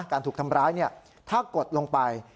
การถูกทำร้ายถ้ากดลงไป